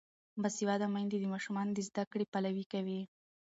باسواده میندې د ماشومانو د زده کړې پلوي کوي.